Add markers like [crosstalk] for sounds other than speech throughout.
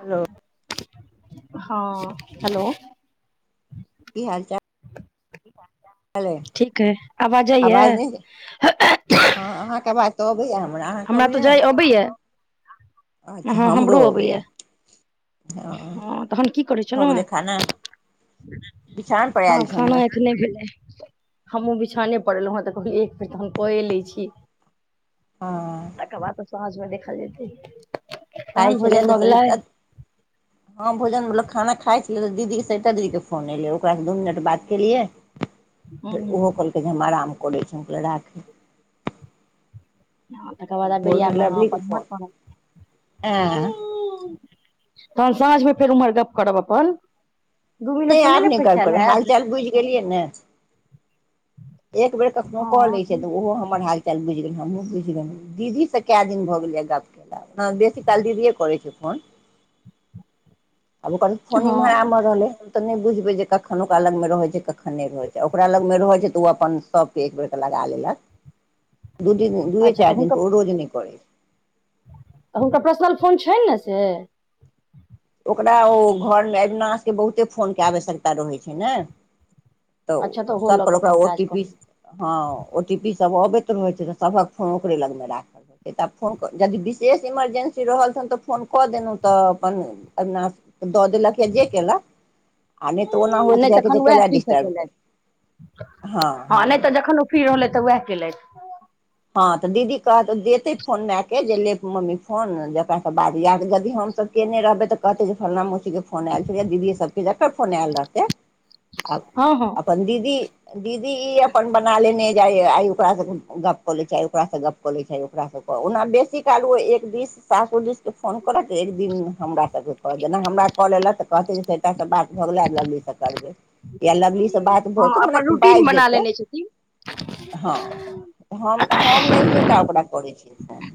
Hello हाँ hello की हाल चाल अइ ठीक अई आबाज आवाज जाइय नहि जाय? हँ अहाँके अबाज तऽ अबैया हमरा अहाँके अबैए बैया अच्छा हमरो अबैया हँ तहन की करै भ छलहुँ हेँ गेलै खाना बिछान पर हँ आयल छलहुँ खाना हेँ एखने भेलै हमहुँ बिछाने पड़लहु हँ तऽ कहलियै एक बेर तऽ हम कए लै छी हँ तकर बाद तऽ साँझ मे देखल जेतै खाइ तहन छलियै भोजन तऽ भऽ गेलाय सरिता हँ भोजन म खाना खाय छी त दीदी के सेता दी के फोन एलेै ओकरा स दू मिनट बात केलियाय ह [unintelligible] फेर उहो कहलकै जे हम आराम कलै छी हम कहलियै राखै हँ तकर बाद बेरिया भोरमे मे आहाँ लवली के अपन उमहर फोन पाव एँ तहन साँझमे फेर उम्हर गप्प करब अपन दू नहि मिनटसँ नै आब ने नहि फैर करब छाएल करब हाल हेएत चाल बुझि गेलियै ने एक बेर कखनो क हँ ले छै त ओहो हमर हाल चलि बुझिहु हमहुँ बुझिहुँ दीदी से क दिन भऽ गेलै गप [unintelligible] बेसी काल दीदिये करै छै फोन [inaudible] आब ओकर फोनी ईमहर हँ आमहर रहलै तऽ नै बुझबै जे कखन ओकरा लग मे रहै छै कखन नै रहै छै ओकरा लगमे रहै छै तऽ ओ अपन सबके एक बेरक अपन लगा लेलक दू दिन दुए अच्छा तऽ चारि दिन हुनकर पर ओ रोज नै करै छै त हुनका पर्सनल फोन छनि न से ओकरा ओ घरमे एबिनासके बहुते फोनके आवश्यकता रहैत छै ने अच्छा तऽ ओहो सब लऽ पर कऽ ओकरा अपन ओ काज टी करू पी हँ ओ टी पी सब अबैत रहैत छै तऽ सबहक फोन ओकरे लग मे राखल तऽ आब फोन जदि विशेष इमरजेंसी रहल तहनत फोन कऽ देलहुँ तऽ अपन अबिनास द देलक जेकेलक आ त ओना आ होईत नहि तखन रवैया उएह कैला फ्रीसँ डिस्टर्ब केलथि करियै हँ हँ फिर [unintelligible] तऽ वएह केलथि हँ तऽ दीदी कहत देतै फोन मएके जे लेब मम्मी फोन जकरासँ बाद याद यदि हमसब केयने रहबै तऽ कहते जे फलना मौसी के फोन एलै या दीदी सब के जकर फोन आयल रहते [inaudible] आ हँ हँ अपन दीदी दीदी ई अपन बना लेने जाइ आइ ओकरासँ गप कऽ लै छै ओकरासँ गप कऽ लै छै ओकरासँके ओना बेसी काल ओ एक दिस सासुर दिस फोन करत एक दिन हमरा सबके कह जेना हमरा कल एलक तऽ कहते जे [unintelligible] बात भ गेलै लगली स करबै या लगलीसँ बात हँ भजेतै मने अपन रूटीन बाजि बना जेतै लेने [unintelligible] हम हम नहिये टा ओकरा करै छी फोन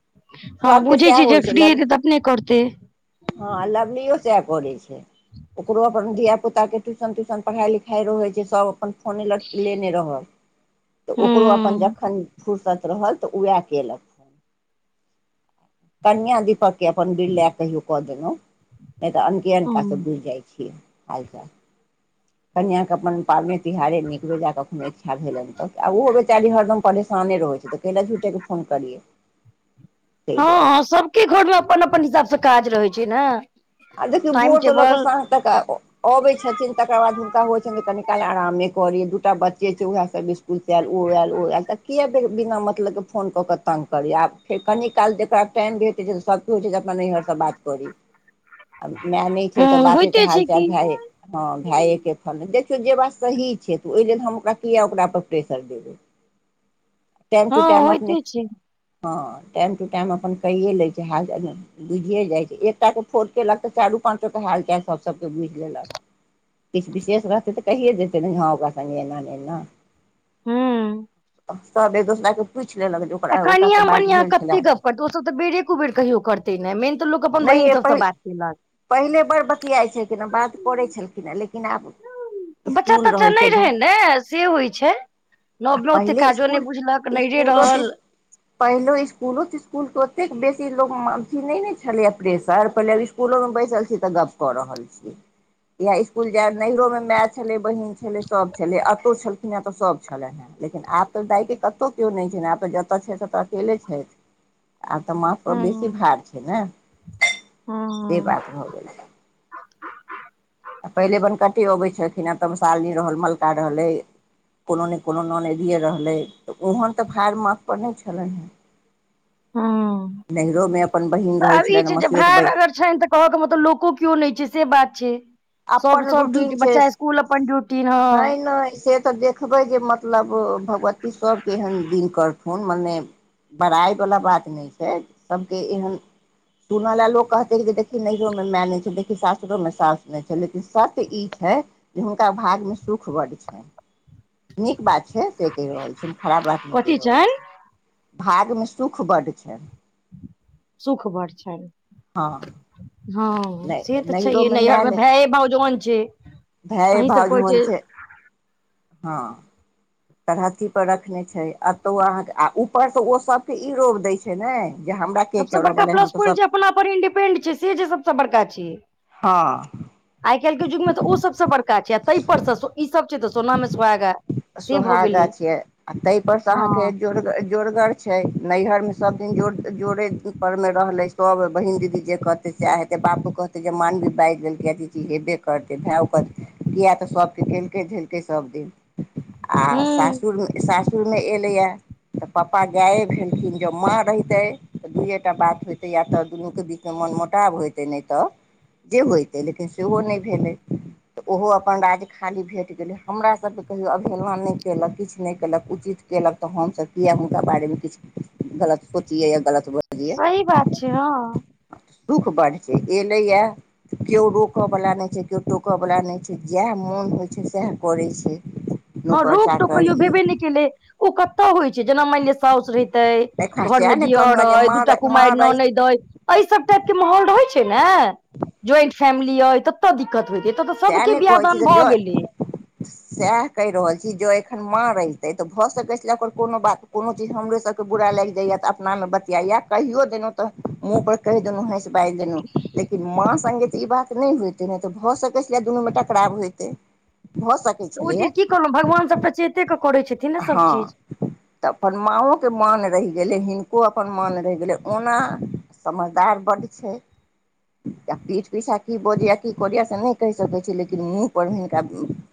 [inaudible] हँ सभके बुझै सएह छिय होइ जब छै फ्री लव हेतै तऽ अपने करतै हँ लवली ओ सै करे छै ओकरो अपन धिया पुता केँ ट्यूशन तयूशन पढ़ाई लिखाई रहे छै सब अपन फोने लटके लेने रहल [unintelligible] तऽ ओकरो अपन हूँ जखन फुुरसत रहल तऽ उहें कयलक कन्या दीपक केँ अपन बिरलए कहियों कऽ देलो नै तऽ अनके अनका सँ हँ बुझ जाइ छियै हालचाल कनिआँ केँ अपन पाबनै तिहारे निक बेजा कखनो इच्छा भेलनि तऽ आ ओहो बेचारी हरदम परेशाने रहै छैय तऽ। कयल झूट केँ फोन करियै [inaudible] ताहि दुआरे हँ सब केँ घर मे अपन अपन हिसाबसँ काज रहैत छै न आ देखियो भोर से लऽ कऽ सांझ तक आब। अबैअ छैथिन तेकर बाद हुनका होइ छैनि जे कनि काल आरामे करि दूटा बच्चे छै ओकरा सब केँ कि कैल ओ याल ओ याल तऽ किया बिना मतलब केँ फोन कऽ केँ तंग करी आब। फेर कनि काल जेकरा टाइम भेटैय छैय तऽ सब होइत छैय जे अपन नैहर सँ बात करी। आब मै नै छैय तऽ हूँ बापे केँ होइते हाल छै चाल की भाये। हँ भाये केँ फोन देखियो जे बात सही छैय तऽ ओइ लेल हम ओकरा किया ओकरा पर प्रेसर देबय। [unintelligible] [inaudible] हँ होइते छैय। हँ टाइम टू टाइम अपन कैय लै छैय हाल चाल बुझिये जाइ छैय एकटा केँ फोन केलक तऽ चारू पाँचो केँ हाल चाल सब सब केँ बुझ लेलक। किछ विशेष रहतै तऽ कहिए दतै ने हऽ ओका सन ऐना नेे ऐना। हू सब एक दोसरा केँ पूछ लेल कऽओ। आ कनिया मनिया कते गप करतै ओ सब तऽ बेरे कु बेरे करते ने मेन तऽ लोक अपन बहिन सब से बात। [unintelligible] पहिने बर बतियाइत छलखिन हऽ बात करैत छलखिन हे लेकिन आब। बच्चा इसकुल तच्चा रहै नै छै घर रहैन से होइ छैय। नब आ नब तऽ ओते पहिले काजो नै इसकुल बुझलक नहिरे इसकुलो तऽ रहल। पहिलो इसकुलो तूसकुलो कऽ ओतेक बेसी लोक म थी नै ने छलैए प्रेेशर। पहिले इसकुल में बैसल छी तऽ गप क रहल छी [inaudible] या इसकुल जेब नैहिरो मे मैय छलै बहिन छलै सब छले एतो छलखिन हे तऽ सब छैलन हे। लेकिन आब तऽ दाइ केँ कतों किओ नै छैय न आब तऽ जतऽ छैय ततऽ अकेले छैथ आब तऽ माथ पर हँ बेसी भार छैय न से हँ बात भऽ गेल छै आ पहिले बनकटीम अबै छलखिन तमसाइल नै रहल मलका रहलै कोनो ने कोनो नोनेदीये रहलै तऽ ओहन तऽ भार माथ पर नै छैलनि है। [unintelligible] [inaudible] नैहरो मे अपन बहिन रहै छलैन हऽ अपन मसियौत बहिन। छैनि तऽ कह केँ मतलब लोको कियो नै छैय से बात छैय। सब अपन सब ड्यूटी रूटीन बच्चा इसकुल अपन ड्यूटी ह नै से तऽ देखबै जे मतलब भगवती सब केँ यैहन दिन करथिन। हाँ मने बड़ाइ बला बात नै छैय सब केँ ऐहन। सुनले लोग कहते देखी नैहरो माय न छैय देखी सासुरो में सास। लेकिन सत्य इऽ छैय जे हुनका भाग्य मे सूख बड्ड छैनि। नीक बात छै तै कहि रहल छी हम खराब बात नै कथी कैह रहल छनि छी भाग्य मे सुख बड्ड छै सुख बड्ड छैयन हाँ हाँ से तऽ छैेय नैहर माय मे नहि भाइए भाउज ओहन छैय, अन्हि सब कहैय छियै हाँ तरहथी पर रखने छै अतौ अहाँक आ ऊपर से ओ सबके ई लोभ दै छै ने जे हमरा के सबसे करऽ बड़का बला हम प्लस तऽ पोइंट सब जे अपना पर इंडिपेंड छै से जे सबसे बड़का छै हँ आइ काल्हि के जुग मे तऽ ओ सबसे बड़का छै आ तै पर स इ सब छै तऽ सोना मे सोहागा से भऽ सुहागा गेलै छियै आ तै पर से हँ अहाँके जोड़गअ जोड़गर छै नैहरमे सब दिन जोड़ जोड़े जुकर मे रहलै सब बहिन दीदी एकर से साहए हेतै बापो कहतै जे मान जे बाजि दैलकै कि हेबे करतै भाय ओकर किए तऽ सभकेँ केलकै धेलकै सभदिन आ हूँ सासुरमे सासुर कियौ नै एलेया तऽ पापा गायब भेलखिन ज्यों माँ रहितै तऽ दुइए टा बात होइतै या तऽ दुनूके बीचमे मन मोटाब होइतै नै तऽ जे होइतै लेकिन सेहो नै भेलै तऽ ओहो अपन राज खाली भेट गेलै हमरा सबके कहियौ अवहेलना नहि केलक किछु नहि केलक उचित केलक तऽ हमसब किएक हुनका बारेमे किछु गलत सोचिए या गलत बजिए सही बात छै हँ दुःख बढ़ छै एलैय या कियौ रोकऽवला नहि छै कियौ टोकऽवला नहि छै जेएह मोन होइ छै साएह करै छै हँ नौकर रोक टोक चाकर कहियो ई भेबे नहि केलै ओ कतऽ होइ छै जेना मानि लिअ साउस रहि- एखन -तै घर सएह मे ने दियर कहलहुँ जे अइ दूटा मारै कुमारि मारै ननैद अइ एहि सब टाइप के माहौल रहै छै ने ज्वाइंट फैमिली अइ तऽ ओतऽ दिक्कत हौय छै एतऽ सबके बिआह दान भऽ गेलै साएह कहि रहल छी ज्यों एखन माँ रहितै तऽ भऽ सकै छलाह ओकर कोनो बात कोनो चीज हमरे सबके बुरा लागि जाइया तऽ अपनामे बतियाइया कहियौ देलहूँ तऽ मुँह पर कहि देलहूँ हँस बाजि देलहूँ लेकिन माँ संगे तऽ ई बात नहि होतै न तऽ भऽ सक- दुनू मे टकराब होयतै भऽ सकै तऽ ओ छलैए चीज की कहलहुँ भगवान सभटा चेते कऽ करै छै हँ तऽ अपन माँओे मान रहि गेलै हिनको अपन मान रहि गेलै ओना समझदार बड्ड छै पीठ पीछा की बजैया कि करैया से नहि कहि सकै छी लेकिन मुँह पर हिनका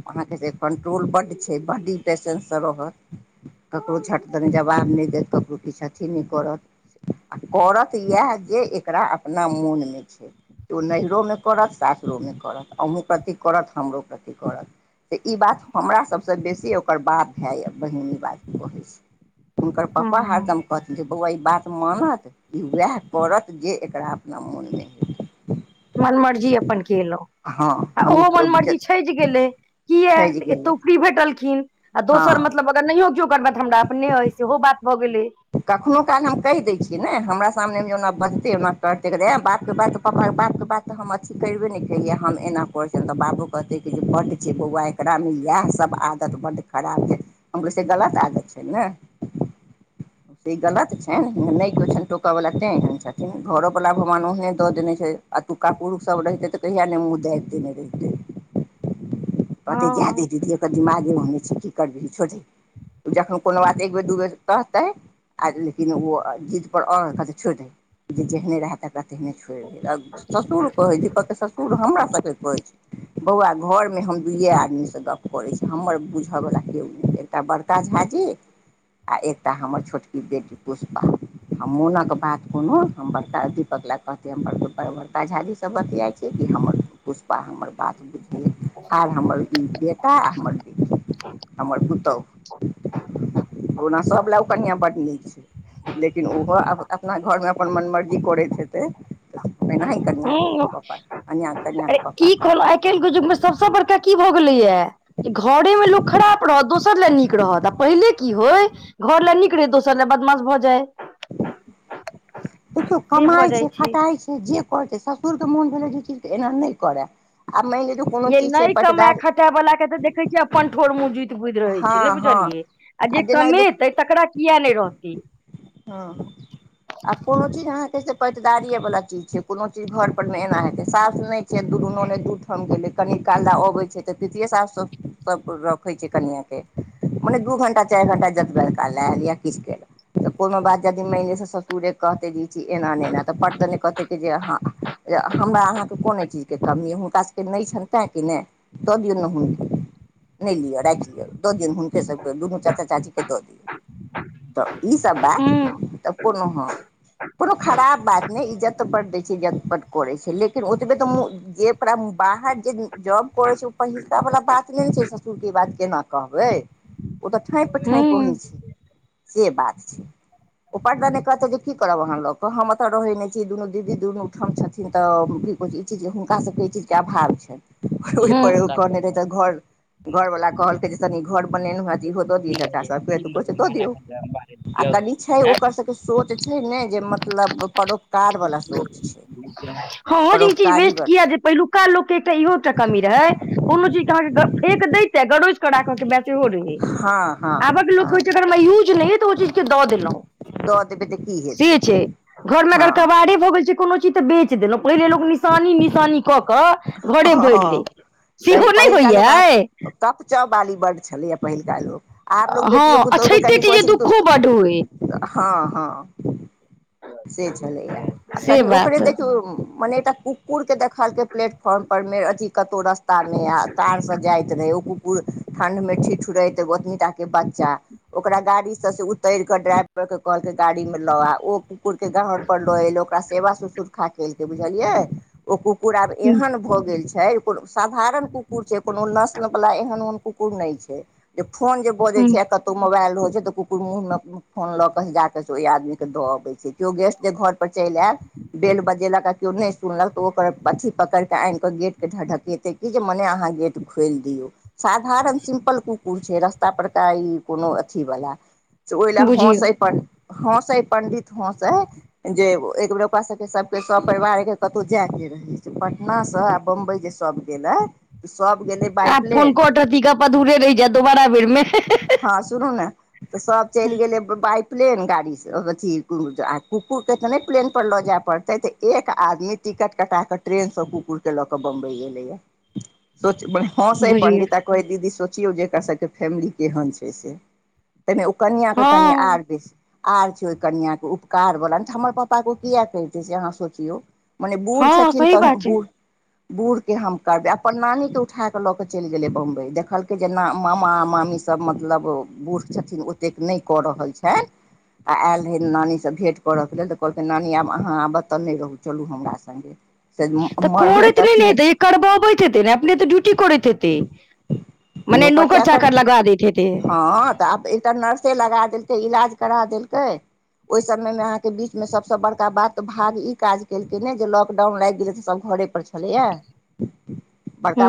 अहाँके जे कंट्रोल बड्ड छै बड्ड ई पेशेंस सँ रहत ककरो झट दने जवाब नहि देत ककरो किछ अथि नहि करत आ करत इएह जे एकरा अपना मोनमे छै ओ नहिरोमे करत सासुरोमे करत अहूँ प्रति करत हमरो प्रति करत तऽ ई बात हमरा सबसँ बेसी ओकर बात भाइए बहिन ई बात कहै छै हुनकर पापा हँ हरदम कहथ जे बौआ ई बात मानत ई उएह करत जे एकरा अपना मोनमे हेतै मनमर्जी अपन केलौ आ हम ओहो ई मनमर्जी अपन छजि गेलै किए छैज तऽ गेलै एतौ फ्री भेटलखिन आ दोसर हँ मतल अगर नहियो केओ करबै तऽ हमरा अपने अइ सेहो बात भऽ गेलै कखनो काल हम कहि दै छियै ने हमरा सामनेमे ओना बजतै ओना करतैै आँ बातके बात पापाके बात के बात तऽ हम अथी कैरबे नै केलिया हम एना करै छी बाबो कहते कि जे बड छै बौआ एकरा मे ई इएह सब आदत बड खराब अई हम कहलियै से गलत आदत छै ने से ई गलत छनि नै कियो छनि टोकऽवला तेँ एहन छथिन घरोवला भगवान ओहेँ दऽ देने छै एतुका पुरुखसब रहितै तऽ कहिया नै मुँह देएब देने रहितै [inaudible] कहतै जाए दही दीदी एकर दिमागे ओहने छै की करबिही छोड़ दही जखने कोनो बात एक बेर दू बेर कहतै आ लेकिन ओ आ जिद पर अर कहतै छोड़ दही जे जेहने रह त रा तेने छोड़ि भेल आ ससुर कहैत छै कहकै ससुर हमरा सबके कहैत छै बौआ घरमे हम दुइए आदमीसँ गप्प करैत छी हमर बुझयवला केओ नै अई एकटा बड़का झाजी आ एकटा हमर छोटकी बेटी पुष्पा हम मोनक बात कोनो हम बड़का दीपक लए कहतै बड़का झाझी सब बतिया छै कि हमर पुष्पा हमर बात बुझ आर हमर ई बेटा आ हमर बेटी हमर पुतौहु ओना सब लए ओ कनिआँ बड्ड नीक छै लेकिन ओहो अब अपना घरमे अपन मन मर्जी करैत हेतै एनाही हूं कनियाँके पप्पा कनियाँ कनियाँके अरे पप्पा की कहथिन [unintelligible] युग मे सबसे बड़का की भऽ गेलैया घरे मे लोक खराब रहत दोसर ला नीक रहत आ पहिले की होय घर लए नीक रहै दोसर लए बदमाश भऽ जाय देखियौ से भऽ कमाइ जाइ छै खटाइ छै जे कर छै ससुरके मोन भेलै जे चीजके एना नै कएरा आब मानि ले कोनो ये चीज छै नहि कमाय पटदार वला के तऽ देखै छियै अपन ठोर मुँह जुति बुदि रहे हँ छै नै हँ बुझलियै आ जे कम जेना देख तै तकरा किया नै रहतै हँ आ कोनो चीज अहाँ के पैटदारिये वाला चीज छै कोनो चीज घर पर मे एना हेतै सास नै छेत दुनू ननैद दू ठम गेलै कनी काल अबै छै तऽ पितिये सास सब रखै छै कनियाँ के मने दू घण्टा चारि घण्टा जतबाकाल लए किछु क कोनो बात जदी माएन लीए ससुरे कहतै एना नै एना तऽ पटदने कहते कि जे अहाँ जे हमरा अहाँके कोन यै चीजके कमी अइ हुनकास सबके नै छनि तैँ कि ने दऽ दियौ ने हुनका नै लियअ राखि लियअ दऽ दियौ हुनके सबके दुनू चाचा चाचीके दऽ दियौ [inaudible] तऽ बात हूं हूं तऽ कोनो हँ कोनो खराब बात नै इज्जत बड दै छै इज्जत त करै छै लेकिन ओतबे तऽ मु जेकरा बाहर जे जॉब करै छै ओ पहिलका बला बात नै ने छै ससुरके ई बात केना कहबै ह ओ तऽ ठाँप ठाँक है छै से बात छै ह [unintelligible] ओ पर्टदने कहतौ जे की करब अहाँ लऽ क हम एतऽ रहै नै छी दुनू दीदी दुनू ठाम छथिन तऽ ओ चीज हुनका सबके ई चीजके अभाव छनि ओहि पर एगो करने रहै तऽ घर घरवाला कहलकै जे तनी घर बनेलहु हँ त इहो दऽ दियचाचा सब के त कहै छै दऽ दियौ आ कनि छै ओकर सबके सोच छै ने जे मतलब परोपकार वला सोच छै हँ जे चीज परोपकारी वेस्ट ब कीया जे पहिलू पहिलुक्का लाेकके एकटा इहोटा कमी रहे कोनो चीज के अहं के देते गरोज के राख के बस हँ हँ आबक लोक हँ छैय अग यूज नहि तऽ ओ चीजके दऽ देलहुँ। द देब त की। से हेतै छैय घरमे हँ अगर कबारे भऽ गेल छैय कोनो चीज तऽ बेच देलहुँ पहिले लोक निशानी निशानी कऽ कऽ घरे हँ भरि सेहो नहि होइ यैय। कपच बाली बड छलैए पहिलुका लोक। आब लोग हँ बेटियो पुतहुके अछैते कनि टी कहै जे छैय दुःखो बड्ड होय तू हँ हँ। से छलैए आ से कनि ओकरे बात हूँ देखियौ मने एकटा कुक्कुरके देखलकैया प्लेट फोर्न परमे अथी कतौ रस्ता मे त से जायइत रहे ओ ठणड मे ठठ रहे गोतनी टा के बच्चा ओकरा गाड़ी से से उतर के ड्राइव क के कहलके गाड़ी मे लऽ आ ओ कुकुर के घर पर लऽ एल ओकरा सेवा ससुर खाके अलकै बिजलीयै ओ कुक्कुर आब एहन भ भ गेल छैय साधारण कुकुर छैय कोनो नस्ल बला एहन ओहन कुकुर नहि छैय। जे फोन जे बजैत हूँ छैय आ कतहु मोबाइल रहइ छैय तऽ कुकुर मुँहमे फोन लऽ कऽ से जा कऽ से ओहि आदमीके दऽ अबैत छै केओ गेस्ट जे घरपर चलि आयल बेल बजेलक आ केओ नहि सुनलक तऽ ओकर अथी पकड़िक आन कऽ गेट केडी ढकेते क जे मने अहाँ गेट खोलि दियऔ। साधारण सिम्पल कुकुर छैय रस्ता परका ई कोनो अथिवला। ओहि लए बुझियौ हसे हसे पण्डित हसे जे एक बेेर ओकरा सबके सबके स परिवार कतहु जायके रहै पटनासँ आ बम्बई जे सभ गेलै सब आब फोन कटत इ गप अधूरे रहि जैत दोबाड़ा बेर मे। हँ सुनू ने तऽ सब चलि गेलै बाइ पलेन गाड़ी अथी कुकुरके तऽ नहि प्लन पर लऽ जाय पड़तैऽ एक आदमी टिकट कटा क ट्रेन स कुकुरके ल क बम्बई गलै या सोचबइह हसइ बुझियौ पंडित कहै दीदी सोचियौ जे एकर सबके फैमिली केहन छैय से। तैमे ओ कनिया के कनि हँ आर बेसी। आर छैये ओहि कनिया के उपकार बला नै त हमर पापा के ओ किए कइहतै से अहाँ सोचियौ। मने बूढ़ हँ छथिन त सही बात छै बूढ़ बूढ़ के हम करबे अपन नानी के उठा क ल के चलि गेलै बम्बई देखलकै जे ना मामा मामी सब सभ मतलब बूढ़ छथिन ओतेक नहि क रहल छैय आ आयल रहै नानी स भेट करके लेल त कहलकै नानी आब अहाँ आब अत नहि रहू चलू हमरा सङ्गे। से त मरलै करैत नैने तखने हेतै करबाबैत हेतै ने अपने त ड्युटी करैत हेतै। मैंने नौकर नूकर चाकर लगा देते थे हँ त आब एकटा नर्स से लगा देलकै इलाज करा देलकै ओहि समयमे अहाँके बीचमें सबस बड़का बात त भाग ई काज केलकै ने जे लॉकडाउन लागि गेलै त सब घरे पर छलैया बड़का